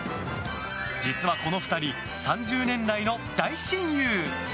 実は、この２人３０年来の大親友！